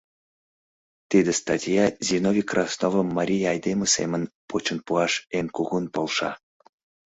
Тиде статья Зиновий Красновым марий айдеме семын почын пуаш эн кугун полша.